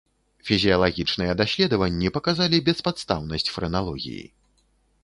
Фізіялагічныя даследаванні паказалі беспадстаўнасць фрэналогіі.